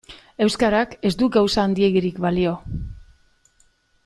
Euskarak ez du gauza handiegirik balio.